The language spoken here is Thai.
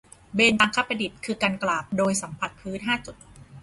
เบญจางคประดิษฐ์ คือการกราบโดยสัมผัสพื้นห้าจุด